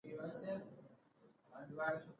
هر څومره چې پانګه زیاتېږي ارګانیکي جوړښت پورته ځي